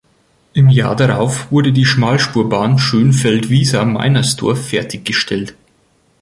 Im Jahr darauf wurde die Schmalspurbahn Schönfeld-Wiesa–Meinersdorf fertiggestellt.